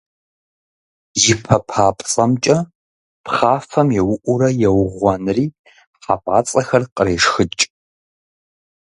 И пэ папцӀэмкӀэ пхъафэм еуӀуурэ, еугъуэнри, хьэпӀацӀэхэр кърешхыкӏ.